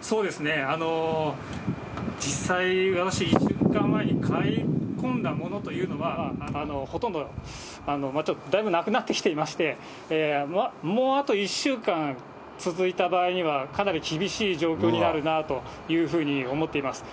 そうですね、実際、私、１週間前に買い込んだものというのは、ほとんど、だいぶなくなってきてまして、もうあと１週間続いた場合には、かなり厳しい状況になるなというふうに思っています。